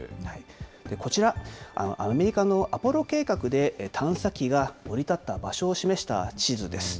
こちら、アメリカのアポロ計画で探査機が降り立った場所を示した地図です。